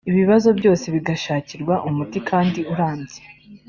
ibi bibazo byose bigashakirwa umuti kandi urambye